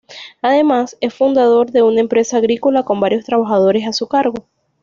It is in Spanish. Además, es fundador de una empresa agrícola con varios trabajadores a su cargo.